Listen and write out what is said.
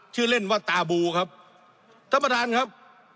ชื่อเล่นว่าตาบูครับท่านประธานครับ